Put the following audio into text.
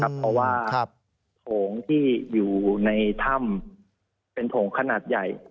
เพราะว่าโถงที่อยู่ในถ้ำเป็นโถงขนาดใหญ่